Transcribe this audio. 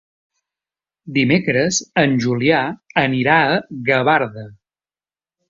Dimecres en Julià anirà a Gavarda.